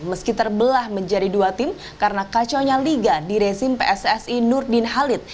meski terbelah menjadi dua tim karena kacaunya liga di rezim pssi nurdin halid